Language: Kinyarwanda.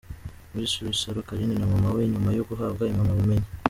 Miss Rusaro Carine na Mama we nyuma yo guhabwa impamyabumenyi.